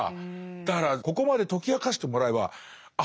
だからここまで解き明かしてもらえばあ